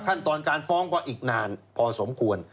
ขั้นตอนการฟ้องก็อีกนานพอสมควร